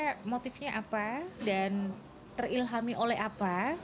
sebenarnya motifnya apa dan terilhami oleh apa